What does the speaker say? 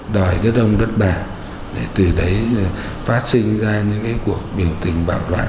đòi đất nông đất bà để từ đấy phát sinh ra những cuộc biểu tình bạo loạn